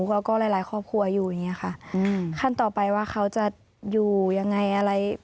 แล้วก็หลายหลายครอบครัวอยู่อย่างนี้ค่ะขั้นต่อไปว่าเขาจะอยู่ยังไงอะไร